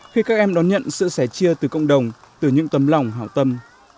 khi các em đón nhận sự sẻ chia từ cộng đồng từ những tấm lòng hảo tâm